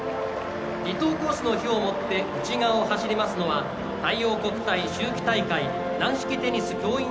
離島コースの火を持って内側を走りますのは太陽国体秋季大会軟式テニス教員